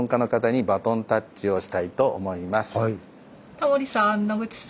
・タモリさん野口さん。